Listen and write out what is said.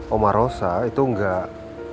omar rosa itu enggak